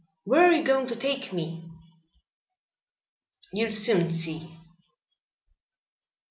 "Where are you going to take me?" "You'll soon see."